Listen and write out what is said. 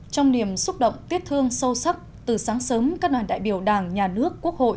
trong niềm xúc động tiết thương sâu sắc từ sáng sớm các đoàn đại biểu đảng nhà nước quốc hội